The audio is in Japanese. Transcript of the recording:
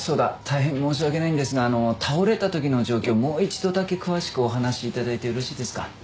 大変申し訳ないんですが倒れた時の状況をもう一度だけ詳しくお話し頂いてよろしいですか？